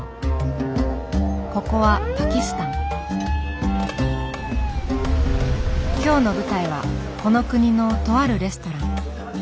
ここは今日の舞台はこの国のとあるレストラン。